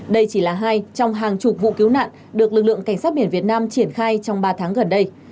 đây chỉ là hai trong hàng chục vụ cứu nạn được lực lượng cảnh sát biển việt nam triển khai trong ba tháng gần đây